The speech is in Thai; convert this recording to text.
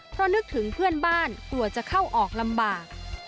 เพราะนึกถึงเพื่อนบ้านกลัวจะเข้าออกลำบาก